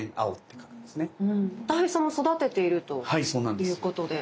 たい平さんも育てているということで。